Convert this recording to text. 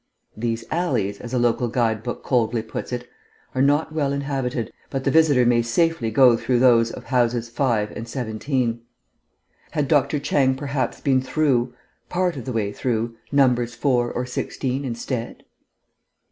("These alleys," as a local guide book coldly puts it, "are not well inhabited, but the visitor may safely go through those of houses 5 and 17." Had Dr. Chang, perhaps, been through, part of the way through, numbers 4 or 16 instead?)